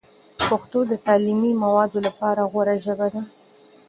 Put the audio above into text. پښتو د تعلیمي موادو لپاره غوره ژبه ده.